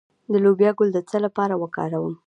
د لوبیا ګل د څه لپاره وکاروم؟